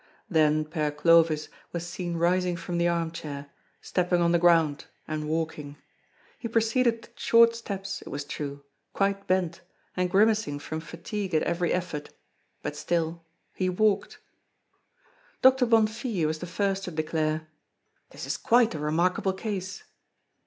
Then Père Clovis was seen rising from the armchair, stepping on the ground, and walking. He proceeded with short steps, it was true, quite bent, and grimacing from fatigue at every effort, but still he walked! Doctor Bonnefille was the first to declare: "This is quite a remarkable case!"